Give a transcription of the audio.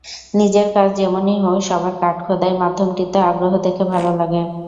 নিজের কাজ যেমনই হোক সবার কাঠখোদাই মাধ্যমটিতে আগ্রহ দেখে ভালো লাগে।